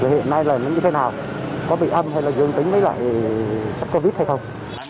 hiện nay là nó như thế nào có bị âm hay là dương tính với lại sắp covid hay không